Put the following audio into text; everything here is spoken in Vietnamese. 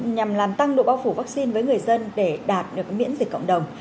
nhằm làm tăng độ bao phủ vaccine với người dân để đạt được miễn dịch cộng đồng